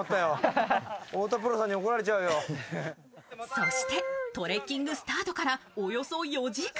そして、トレッキングスタートからおよそ４時間。